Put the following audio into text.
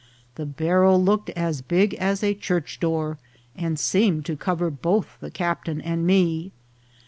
The barrel looked as big as a church door, and seemed to cover both the captain and me.